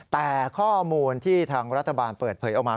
แต่ข้อมูลที่ทางรัฐบาลเปิดเผยออกมา